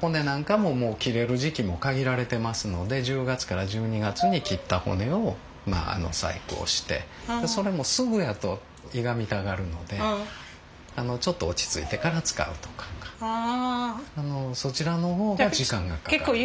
骨なんかも切れる時期も限られてますので１０月から１２月に切った骨を細工をしてそれもすぐやといがみたがるのでちょっと落ち着いてから使うとかそちらの方が時間がかかります。